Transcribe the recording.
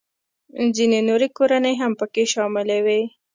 ځینې نوې کورنۍ هم پکې شاملې وې